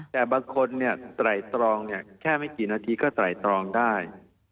แต่บางคนไตรตรองแค่ไม่กี่นาทีก็ไตรตรองได้